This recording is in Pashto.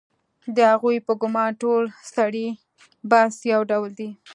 د هغې په ګومان ټول سړي بس یو ډول دي